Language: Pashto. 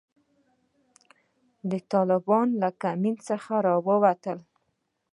د طالبانو له کمین څخه را ووتلو.